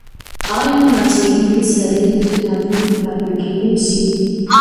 ایا ناڅېړونکی سړی لارښود ټاکل کېدی سي؟